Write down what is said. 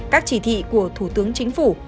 các chỉ thị của thủ tướng chính phủ